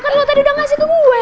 kan lo tadi udah ngasih ke gue